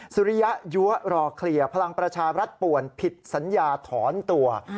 สุริยะยั้วรอเคลียร์พลังประชารัฐป่วนผิดสัญญาถอนตัว